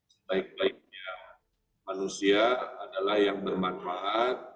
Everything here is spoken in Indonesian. sebaik baiknya manusia adalah yang bermanfaat